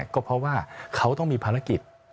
ก็เพราะว่าเขาต้องมีภารกิจ